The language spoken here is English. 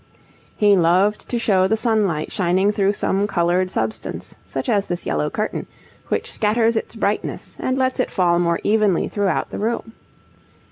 He loved to show the sunlight shining through some coloured substance, such as this yellow curtain, which scatters its brightness and lets it fall more evenly throughout the room.